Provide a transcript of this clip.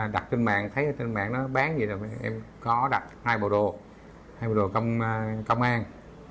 đặt trên mạng thấy ở trên mạng nó bán gì rồi em có đặt hai bộ đồ hai bộ đồ công an